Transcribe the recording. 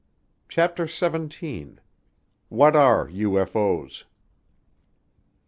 CHAPTER SEVENTEEN What Are UFO's?